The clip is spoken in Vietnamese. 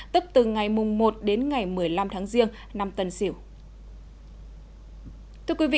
tức từ ngày một đến ngày một mươi năm tháng giêng năm tân sửu